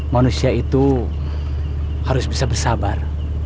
manusia itu harus bisa bersabar